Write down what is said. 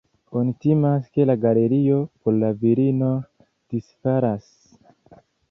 Oni timas, ke la galerio por la virinoj disfalas.